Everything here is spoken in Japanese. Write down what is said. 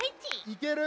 いける？